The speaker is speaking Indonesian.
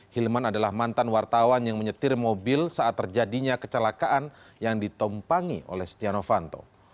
hilman adalah mantan wartawan yang menyetir mobil saat terjadinya kecelakaan yang ditompangi oleh setia novanto